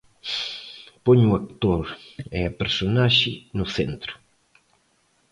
Poño o actor e a personaxe no centro.